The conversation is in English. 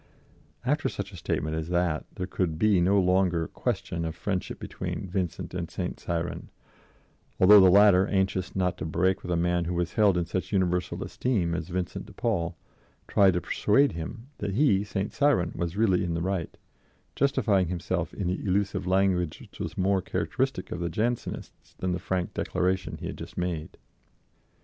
After such a statement as that there could be no longer question of friendship between Vincent and St. Cyran, although the latter, anxious not to break with a man who was held in such universal esteem as Vincent de Paul, tried to persuade him that he, St. Cyran, was really in the right, justifying himself in the elusive language which was more characteristic of the Jansenists than the frank declaration he had just made.